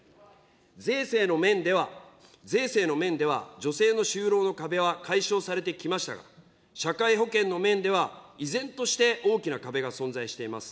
税制の面では、税制の面では、女性の就労の壁は解消されてきましたが、社会保険の面では、依然として大きな壁が存在しています。